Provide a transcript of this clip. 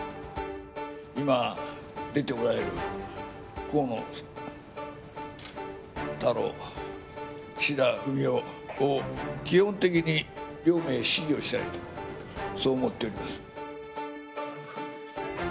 今出ておられる河野太郎、岸田文雄を基本的に両名支持をしたいと、そう思っています。